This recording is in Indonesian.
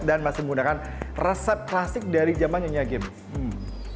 dan masih menggunakan resep klasik dari zaman nyanyi agama